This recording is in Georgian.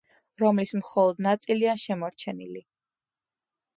რომლის მხოლოდ ნაწილია შემორჩენილი.